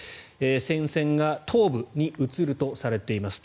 戦線が東部に移るとされています。